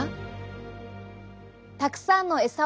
たくさんのエサ？